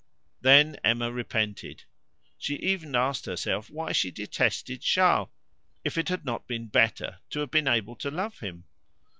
Then Emma repented. She even asked herself why she detested Charles; if it had not been better to have been able to love him?